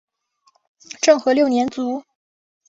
政和六年卒。